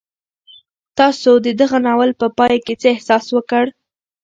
تاسو د دغه ناول په پای کې څه احساس وکړ؟